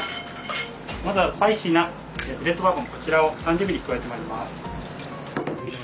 まずはスパイシーなブレットバーボンこちらを３０ミリ加えてまいります。